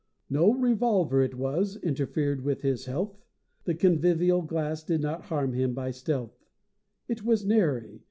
No revolver it was Interfered with his health, The convivial glass Did not harm him by stealth; It was nary!